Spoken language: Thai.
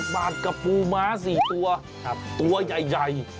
บาทกับปูม้า๔ตัวตัวใหญ่